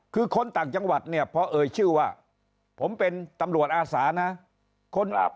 คือคนต่างจังหวัดเนี่ยพอเอ่ยชื่อว่าผมเป็นตำรวจอาสานะ